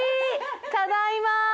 ただいま。